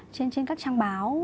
trên các trang báo